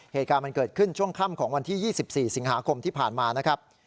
เหตุการณ์มันเกิดขึ้นช่วงค่ำของวันที่๒๔สิงหาคมที่ผ่านมานะครับ